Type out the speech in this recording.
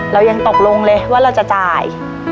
เรายังตกลงเลยว่าเราจะจ่าย